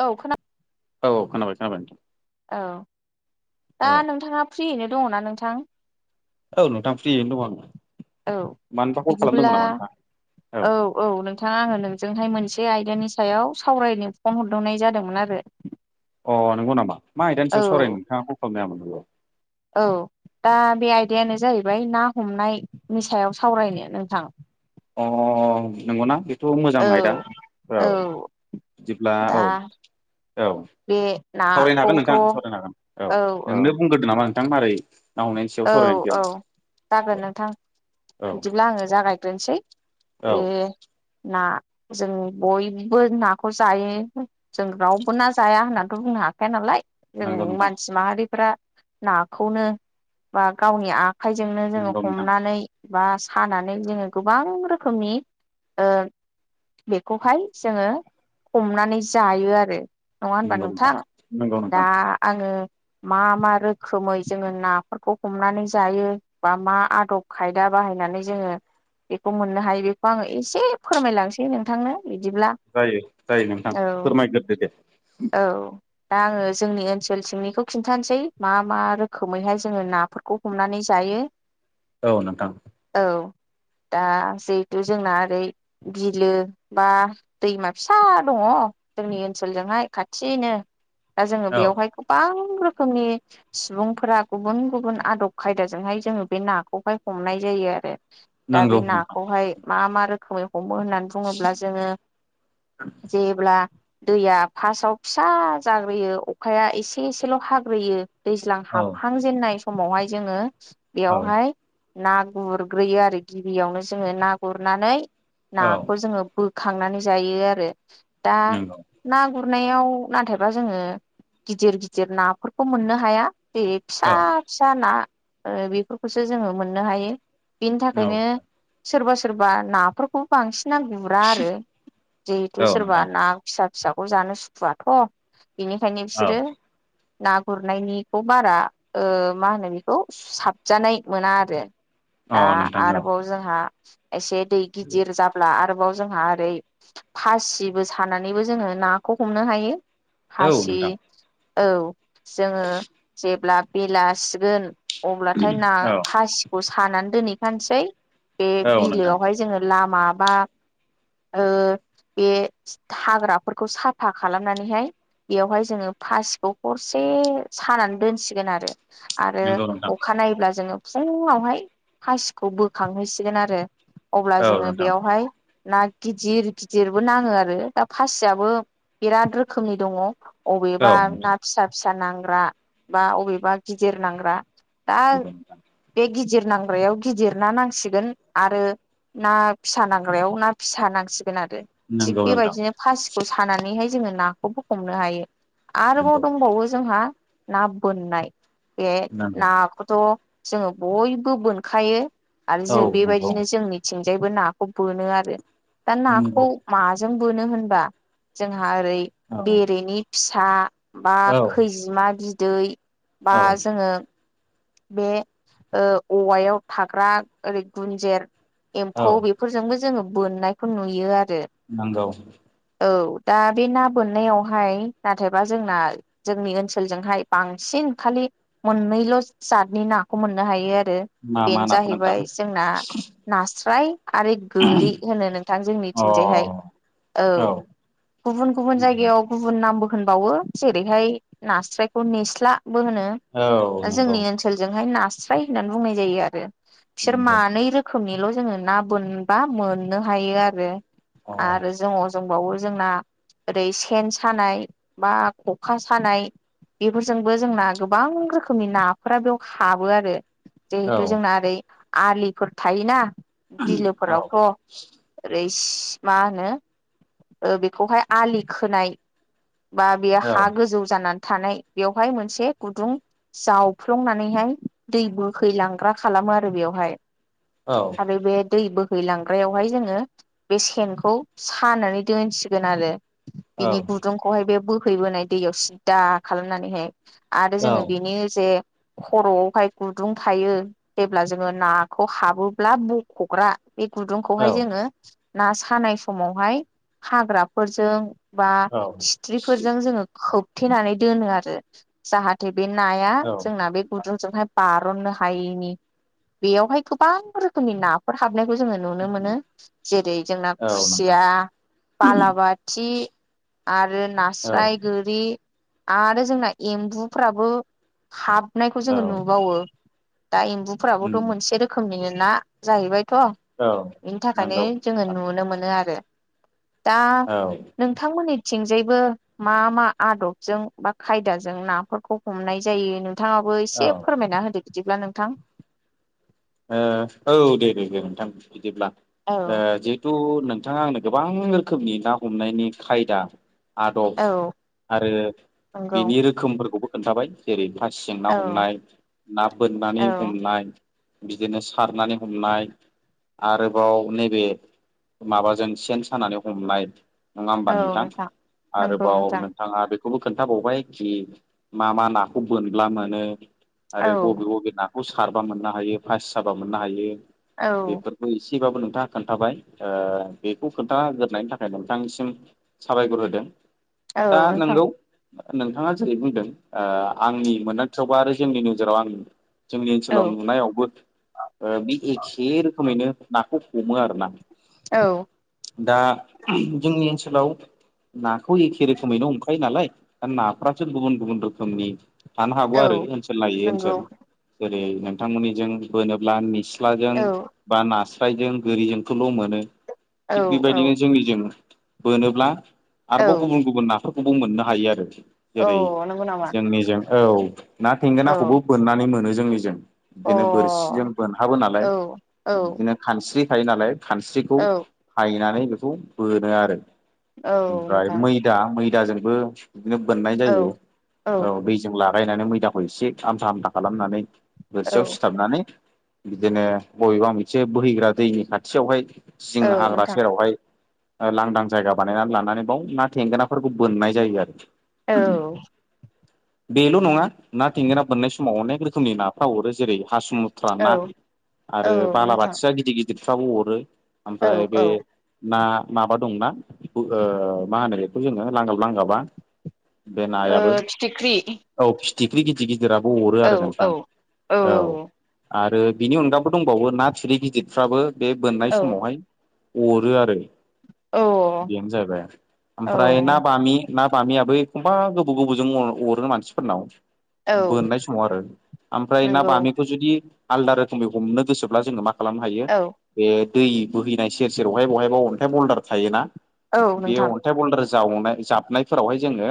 औ खोनादों। औ खोनाबाय खोनाबाय औ दा औ नोंथाङा फ्रियैनो दङना नोंथां औ नोंथां फ्रियैनो दं आङो औ मानोबा कल बिदिब्ला खालामदोंमोन नामा नोंथां औ औ नोंथाङा आङो नोंजोंहाय मोनसे बे आयदानि सायाव सावरायनो फन हरदोंनाय जादोंमोन आरो अ नंगौ नामा मा औ आइदानसेयाव सरायनो नोंथाङा कल खालामनो हामोन नोंगौ औ दा बे आयदायानो जाहैबाय ना हमनायनि सायाव सावरायनो नोंथां अ नंगौना बेथ' मोजां औ औ बिदिब्ला दा औ औ बे सावरायनो हागोन नाखौथ' नोंथां औ औ जानमारै औ औ जागोन नोंथां औ बिदिब्ला आङो जागायग्रोनसै औ बे ना जों बयबो नाखौ जायो। नंगौ जों नोंथां मानसि माहारिफ्रा नाखौनो खाइजोंनो जोंङो नंगौ नोंथां हमनानै। बा सानानै जोङो गोबां रोखोमनि ओ। बेखौहाय जोंङो हमनानै जायो आरो नंङा होनबा नंगौ नोंथां? नंगौ दा नोंथां आंङो मा मा रोखोमै जोंङो ना खौ हमनानै जायो बा मा आदब खायदा बाहायनानै जोंङो बेखौ मोननो हायो बेखौ आङो ऐसे फोरमायलांसै नोंथांनो। बिदिब्ला। जायो जायो नोंथां औ फोरमायग्रोदो दे औ दा आङो जोंनि ओनसोल सिंनिखौ खिन्थानोसै मा मा रोखोमैहाय। [unintelligible] जोङो नाफोरखौ हमनानै जायो औ नोंथां औ दा जिहेथु जोंना ओरै बिलो बा दैमा फिसा दङ जोंनि ओनसोलजोंहाय खाथिनो। दा जोङो औ बेवहाय गोबां रोखोमनि सिबुंफोरा। गुबुन गुबुन आदब खायदाजोंहाय जोङो बे नाखौहाय हमनाय जायो आरो। दा नंगौ बे नोंथां नाखौहाय मा मा रोखोमै। हमो होननानै बुङोब्ला जोङो जेब्ला। दैया फासआव फिसा जाग्रोयो अखाया एसे एसेल' हाग्रोयो। दैज्लां औ हाब। नाय समावहाय जोङो औ बेयावहाय ना गुरग्रोयो आरो गिबियावनो जोङो ना गुरनानै औ नाखौ जोङो बो खांनानै जायो आरो दा नंगौ ना गुरनायाव नाथायबा जोङो गिदिर गिदिर नाफोरखौ मोननो हाया जेरै औ फिसा फिसा ना ओ बेफोरखौसो जोङो मोननो हायो बेनि औ थाखायनो सोरबा सोरबा नाफोरखौबो बांसिना गुरा आरो औ जिहेथु सोरबा नोंथां ना फिसा फिसाखौ जानो सुखुवाथ' बिनिखायनो औ बिसोरो ना गुरनायनिखौ बारा ओ मा होनो बेखौ साबजानाय मोना आरो औ दा नोंथां औ आरोबाव जोंहा एसे दै गिदिर जाब्ला आरो बाव जोंहा ओरै फासिबो सानानैबो जोङो नाखौ हमनो हायो औ फासि नोंथां औ जोङो जेब्ला बेलासिगोन अब्लाथाय ना औ फासिखौ सानानै दोनहैखानोसै बे औ नोंथां बिलोआवहाय जोङो लामा बा ओ बे थाग्राफोरखौ साफा खालामनानैहाय बेवहाय जोङो फासिखौ हरसे सानानै दोनसिगोन आरो आरो नंगौ नोंथां अखा नायोब्ला जोङो फुङावहाय फासिखौ बोखांहोसिगोन आरो अब्ला औ जोङो नोंथां बेयावहाय ना गिदिर गिदिरबो नाङो आरो दा फासियाबो बेराद रोखोमनि दङ औ अबेबा नोंथां ना फिसा फिसा नांग्रा बा अबेबा गिदिर नांग्रा दा बे गि गिदिर नांग्रायाव गिदिर ना नांसिगोन आरो ना फिसा नांग्रायाव ना फिसा नांसिगोन [unintelligible] आरो थिग नंगौ नोंथां बेबायदिनो फासिखौ सानानैहाय जोङो नाखौबो हमनो हायो आरोबाव नंगौ नोंथां दंबावो जोंहा ना बोननाय बे नंगौ नंगौ नाखौथ' जोङो बयबो बोनखायो आरो औ जों नंगौ बेबायदिनो जोंनिथिंजायबो नाखौ बोनो आरो दा नंगौ नाखौ माजों जों बोनो होनबा जोंहा ओरै बेरेनि फिसा बा औ खैजिमा बिदै बा औ जोङो बे ओ औवायाव थाग्रा ओरै गुुनजेर एम्फौ औ बेफोरजोंबो जोङो बोननायखौ नुयो आ नोंगौ दा बे ना बोननायावहाय नाथायबा जोंना जोंनि ओनसोलजोंहाय बांसिन खालि मोननैल' जादनि नाखौ मोननो हायो आरो मा मा बेनो नाखौ नोंथां जाहैबाय जोंना नास्राय आरो गोरि होनो नोंथां अ जोंनिथिंजायहाय औ गुबुन गुबुन जायगायाव गुबुन नामबो होनबावो जेरैहाय नास्रायखौ निस्ला बो होनो औ नंगौ जोंनि जोङोहाय नास्राय होननानै बुंनाय जायो आरो बिसोर नंगौ मानै रोखोमनिल' जोङो ना बोनबा मोननो हायो आरो अ आरो जों अजोंबावो जोंना ओरै सेन सानाय बा ख'खा सानाय बेफोरजोंबो जोंना गोबां रोखोमनि ना फोरा बेयाव हाबो आरो औ जिहेथु जोंना ओरै आलिफोर थायोना औ बिलोफोरावथ' ओरै मा होनो बेखौहाय आलि खोनाय बा बेयो हा औ गोजौ जानानै थानाय बेवहाय मोनसे गुदुं जाव फ्लंनानैहाय दै बोहैलांग्रा खालामो आरो बेवहाय औ आरो बे दै बो हैैलांग्रायावहाय जोङो बे सेनखौ सानानै दोनसिगोन आरो। औ बिनि गुदुंखौहाय बे बोहैबोनाय दैयाव सिदा खालामनानैहाय। आरो जोङो बेनि जे खर'आवहाय गुदुं थायो जेब्ला जोङो नाखौ हाबोब्ला बख'ग्रा बे गुदुंखौहाय औ जोङो ना सानाय समावहाय हाग्राफोरजों बा औ सिथ्रिफोरजों जोङो खोबथेनानै दोनो आरो जाहाथे बे नाया औ जोंना बे नोंथां गुदुंजोंहाय बारननो हायिनि बेयावहाय गोबां रोखोमनि नाफोर हाब बनायखौ जोङो नुनो मोनो जेरै जोंना औ नोंथां खुसिया बालाबाथि आरो औ नास्राय गोरि आरो जोंना एम्बुफ्राबो हाबनायखौ औ जोङो नुबावो। दा एम्बुफ्राबोथ' मोनसे रोखोमनिनो ना जाहैबाय। थ' औ बिनि थाखायनो नंगौ जोङो नोंथां नुनो मोनो आरो दा औ नोंथांमोननि थिंजायबो मा मा आदबजों बा खायदाजों नाफोरखौ हमनाय जायो। नोंथाङाबो औ एसे फोरमायना होदो बिदिब्ला नोंथां। औ दे दे दे नोंथां बिदिब्ला औ जिहेथु नोंथाङा आंनो गोबां रोखोमनि ना हमनायनि खायदा आदब औ आरो नंगौ बिनि रोखोमफोरखौबो खोन्थाबाय जेरै खासिजों औ ना हमनाय ना बोननानै औ हमनाय बिदिनो सारनानै हमनाय आरोबाव नैबे माबाजों सेन सानानै हमनाय नङा होमबा नोंथां नंगौ आरोबाव नोंथां नोंथाङा बेखौबो खोन्थाबावबाय जि मा मा नाखौ बोनब्ला मोनो औ आरो बबे बबे ना खौ सारबा मोननो हायो पास जाबा मोननो हायो औ बेफोरबो एसे ब्लाबो नोंथाङा खोन्थाबाय बेखौ खोन्थाग्रोनायनि थाखाय नोंथांनिसिम साबायखर होदों। दा औ नोंथां नोंगौ नोंथाङा जेरै बुंदों आंनि मोनदांथियावबा आरो जोंनि नोजोराव आंनि जोंनि ओनसोलाव औ नुनायावबो बे एखे रोखोमैनो नाखौ हमो आरोना औ दा जोंनि ओनसोल ओनसोलाव नाखौ एखे रोखोमैनो हमखायो नालाय दा नाफ्रासो गुबुन गुबुन रोखोमनि थानो हागौ आरो औ ओनसोल लायै नंगौ ओनसोल जेरै नोंथांमोननिजों बोनोब्ला मेसिन ख्लाजों औ बा नास्रायजों गोरिजोंखौल' मोनो। औ थिग औ बेबायदिनो जोंनि जों बोनोब्ला आरोबाव औ गुबुन गुबुन नाफोर खौ मोननो हायो आरो औ जेरै नंगौ नामा जोंनिजों औ ना औ थेंगोनाखौबो बोननानै मोनो जोंनिजों अ'। जों बोनहाबो नालाय, औ बिदिनो खानस्रि थायो नालाय खानस्रिखौ फायनानै बेखौ बोनो आरो। औ ओमफ्राय नोंथां मैदा -मैदाजोंबो बिदिनो बोननाय औ जायो। औ दैजों लागायनानै मैदाखौ एसे आमथा- आमथा खालामनानै औ बोरसियाव सिथाबनानै बिदिनो बबेबा मोनसे बोहैग्रा दैनि खाथियावहाय औ सिं हाग्रा नोंथां सेरावहाय लांदां जायगा बानायनानै लानानै बाव ना थेंगोनाफोरखौ बोननाय जायो आरो। औ। बेल' नङा ना थेंगोना बोननाय समाव अनेक रोखोमनि नाफ्रा हरो जेरै हासम [unintelligible] औ ना औ आरो नोंथां बालाबाथिया गिदिर गिदिरफ्राबो अरो औ ओमफ्राय बे औ ना माबा दंना? बेखौ मा होनो, बेखौ जोङो लांगाब- लांगाबा। बे ओ नायाबो फिथिख्रि औ फिथिख्रि [unintelligible] गिदिराबो अरो औ आरो औ नोंथां। औ। आरो बिनि अनगाबो दंबावो, ना थिरै गिदिरफ्राबो बे बोननाय औ समावहाय अरो आरो। औ बेनो जाहैबाय औ ओमफ्राय ना बामि ना बामियाबो एखमबा गोबौ- गोबौजों अरो मानसिफोरनाव औ बोननाय समाव आरो ओमफ्राय ना नंगौ बामिखौ जुदि आलदा रोखोमै हमनो गोसोब्ला, जोङो मा खालामनो हायो औ बे दै बोहैनाय सेर -सेर बहाय- बहायबा अन्थाइ बल्डार थायो ना। औ बे नोंथां अन्थाइ बल्डार जावनाय -जाबनायफोरावहाय जोङो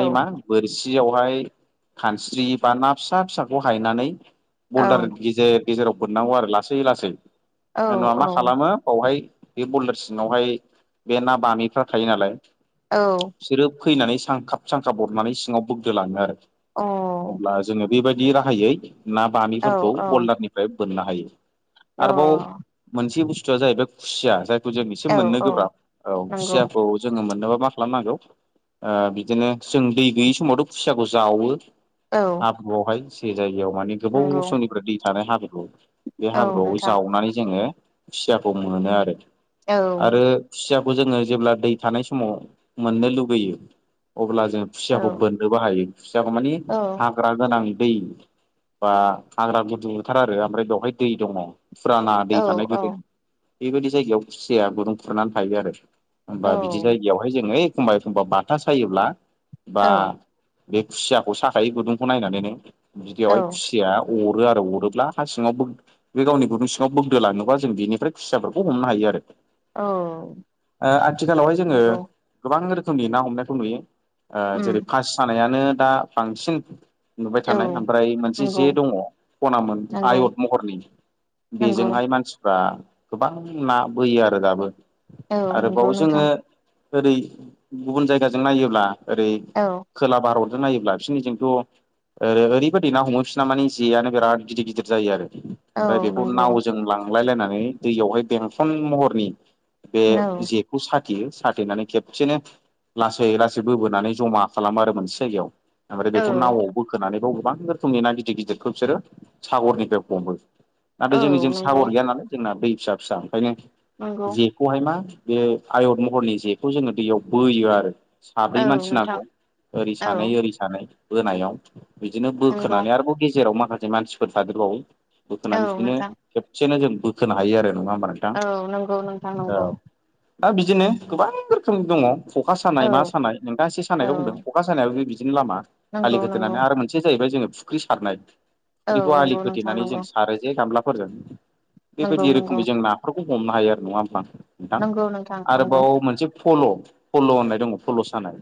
औ मा बोरसियावहाय खानस्रि बा ना फिसा- फिसाखौ हायनानै, औ बल्दार गेजेर- गेजेराव बोननांगौ आरो लासै लासै औ -लासै होनबा औ मा खालामो बावहाय बे बलदार सिङावहाय बे ना बामिफ्रा थायो नालाय। औ अ बिसोरो फैनानै सांखाब- सांखाब अरनानै सिङाव बोग्दोलाङो आरो। अ। अब्ला जोङो बेबायदि राहायै ना बामिफोरखौ बल्दारनिफ्राय बोननो हायो। औ आरोबाव अ मोनसे बुसथुआ जाहैबाय खुसिया। जाय [unintelligible] जों इसे औ मोननो औ गोब्राब। औ नंगौ खुसियाखौ जोङो मोननोबा मा खालामनांगौ, ओ बिदिनो जों दै गैयि समावथ' खुसियाखौ जावो। औ हाब्रुआवहाय से जायगायाव माने गोबाव नंगौ समनिफ्राय दै थानाय हाब्रु बे औ हाब्रुआव नोंथां जावनानै जोङो खुसियाखौ मोनो आरो। औ आरो खुसियाखौ जोङो जेब्ला दै थानाय समाव मोननो लुबैयो। अब्ला जों औ खुसियाखौ बोननोबो हायो। खुसियाखौ माने औ हाग्रा गोनां दै बा हाग्रा गुदु थार आरो ओमफ्राय बेवहाय दै दङ, फुराना दै औ थानाय गोदो बेबायदि जायगायाव खुसियाया गुदुं खुरनानै थायो आरो। औ होमबा बिदि जायगायावहाय जोङो एखमबा- एखमबा बाथा सायोब्ला बा औ बे खुसियाखौ साखायो गुदुंखौ नायनानैनो बिदियावहाय औ खुसियाया अरो आरो। अरोब्ला हा सिङाव बोग बे गावनि गुदुं सिङाव बोग्दो लाङोबा जों बिनिफ्राय खुसियाफोरखौ [unintelligible] हमनो हायो आरो। औ ओ आथिखालावहाय जोङो नंगौ गोबां [unintelligible] रोखोमै ना हमनायखौ नुयो। ओ जेरै उम पासि सानायानो दा बांसिन नुबाय औ थानाय ओमफ्राय [unintelligible] [unintelligible] नंगौ जे दङ खनामोन नंगौ आयत महरनि नंगौ बेजोंहाय मानसि [unintelligible] गोबां ना बोयो आरो दाबो। औ नंगौ आरोबाव जोङो नोंथां ओरै गुबुन जायगाजों नायोब्ला ओरै औ खोला -भारत नायोब्ला बिसोरनिजोंथ' ओरैबायदि बादि ना हमो, बिसिना मानि जेयानो बिराद गिदिर -गिदिर जायो आरो। औ ओमफ्राय बेखौ नंगौ नावजों लांलाय लायनानै दैयावहाय बेंखन महरनि बे औ जेखौ [unintelligible] [unintelligible] साथेनानै खेबसेनो लासै- लासै बोबोनानै जमा खालामो आरो मोनसे जायगायाव। ओमफ्राय औ बेखौ नावआव बोखोनानैबाव गोबां रोखोमनि ना गिदिर -गिदिरखौ बिसोरो सागरनिफ्राय हमो। नाथाय औ जोंनिजों नंगौ सागर गैया नालाय जोंना दै फिसा फिसा ओंखायनो नंगौ जेखौहाय मा बे आयत महरनि जेखौ जोङो दैयाव बोयो आरो साब्रै औ मानसि नोंथां नांगौ ओरै औ सानै ओरै सानै बोनायाव बिदिनो बो नंगौ खोनानै आरोबाव गेजेराव माखासे मानसिफोर थादेरबावो औ बोखोनानै बिदिनो नोंथां खेबसेनो जों बोखोनो हायो आरो नङा होमबा नोंथां औ नंगौ नोंथां औ नंगौ दा बिदिनो गोबां रोखोम दङ ख'खा औ सानाय मा सानाय नोंथाङा से औ सानायखौ बुंदों ख'खा सानायाबो बिदि बिदिनो लामा आालि नंगौ नंगौ गोदोननानै आरो मोनसे जाहैबाय जोङो फुख्रि सारनाय औ फुख्रिखौ आलि नंगौ नोंथां खोथेनानै जों नंगौ सारो जे गामलाफोरजों नंगौ बेबायदि नंगौ रोखोमै जों नाफोरखौ हमनो हायो आरो नङा होमबा नोंथां नंगौ नोंथां नंगौ आरोबाव मोनसे फल' फल' होननाय दङ फल' सानाय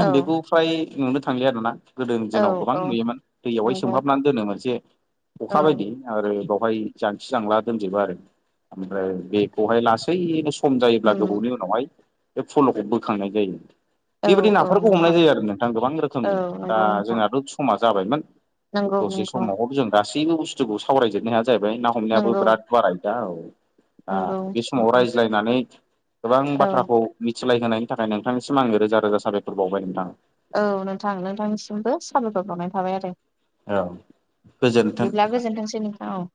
औ बेखौ फ्राय नुनो थांलिया आरोना गोदोनि औ दिनाव गोबां औ नुयोमोन दैयावहाय नंगौ सोमहाबनानै दोनो मोनसे औ अखा बायदि आरोबाव बेवहाय जांसि जांला दोनजोबो आरो ओमफ्राय बेखौहाय लासैनो सु खम जायोब्ला उम गोबावनि उनावहाय बे फल'खौ बोखांनाय जायो औ बेबायदि औ नाफोरखौ हमनाय नोंथां जायो आरो नोंथां गोबां औ रोखोमनि दा नंगौ नोंथां जोंहाथ' समा जाबायमोन नंगौ दसे नंगौ समावबाबो जों गासैबो बुस्थुखौ सावरायजोबनो हाया जाहैबाय ना हमनायाबो नंगौ बिराद बाराय दा औ दा नंगौ बे समाव नोंथां रायज्लायनानै गोबां औ बाथ्राखौ मिथ सलाय होनायनि थाखाय नोंथांनिसिम आङो रोजा रोजा साबायखर बावबाय नोंथां औ नोंथां नोंथांनिसिमबो साबायखर बावनाय थाबाय आरो औ गोजोन्थों बिदिब्ला नोंथां गोजोनथोंसै नोंथां औ